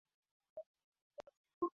mto na kupitia msitu mnene na usio